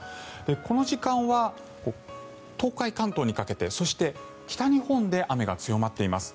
この時間は東海・関東にかけてそして、北日本で雨が強まっています。